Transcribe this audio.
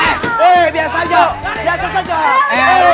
eh biasa jo